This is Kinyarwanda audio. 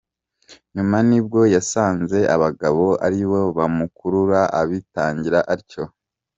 Nyuma nibwo yasanze abagabo aribo bamukurura, abitangira atyo.